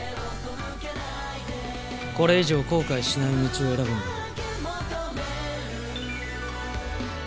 これ以上後悔しない道を選ぶんだな。